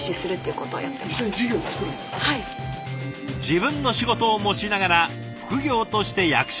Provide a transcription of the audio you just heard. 自分の仕事を持ちながら副業として役所でも働く。